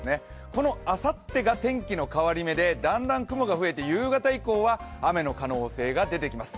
このあさってが天気の変わり目でだんだん雲が増えて夕方以降は雨の可能性が出てきます。